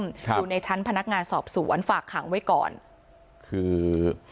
ครับอยู่ในชั้นพนักงานสอบสวนฝากขังไว้ก่อนคือ